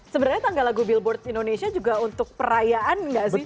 sebenarnya tanggal lagu billboard indonesia juga untuk perayaan nggak sih